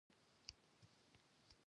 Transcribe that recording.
تودوخه د ذرو د ټکر په اثر هدایت کیږي.